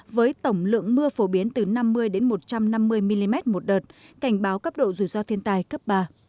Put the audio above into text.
với tổng lượng mưa phổ biến từ năm mươi một trăm năm mươi mm một đợt cảnh báo cấp độ rủi ro thiên tai cấp ba